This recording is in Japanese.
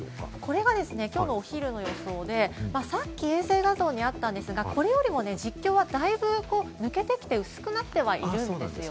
これが今日のお昼の予想で、さっき衛星画像にあったんですが、これよりも実況は大分、抜けてきて、薄くなってはいるんです。